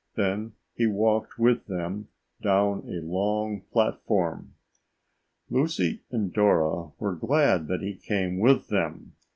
Then he walked with them down a long platform. Lucy and Dora were glad that he came with them.